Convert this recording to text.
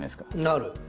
なる。